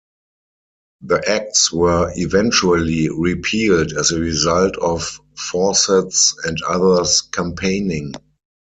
The Acts were eventually repealed as a result of Fawcett's and others' campaigning.